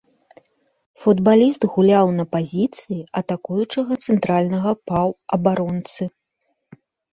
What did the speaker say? Футбаліст гуляў на пазіцыі атакуючага цэнтральнага паўабаронцы.